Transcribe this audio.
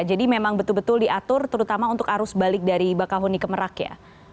jadi memang betul betul diatur terutama untuk arus balik dari bakahuni ke merak ya